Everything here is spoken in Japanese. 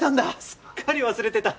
すっかり忘れてた。